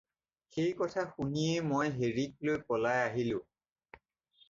সেই কথা শুনিয়েই মই হেৰিক লৈ পলাই আহিলোঁ।